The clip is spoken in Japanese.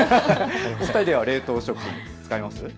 お二人、冷凍食品、使いますか。